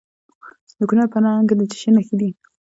د کونړ په نرنګ کې د څه شي نښې دي؟